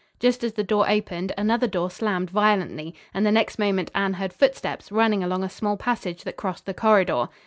Just as the door opened, another door slammed violently, and the next moment Anne heard footsteps running along a small passage that crossed the corridor.